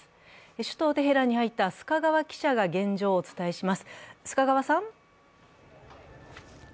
首都テヘランに入った須賀川記者が現状をお伝えします。